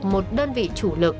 một đơn vị chủ lực